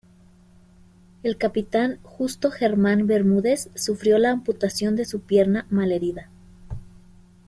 El capitán Justo Germán Bermúdez sufrió la amputación de su pierna malherida.